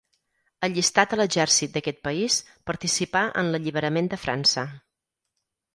Allistat a l'exèrcit d'aquest país, participà en l'alliberament de França.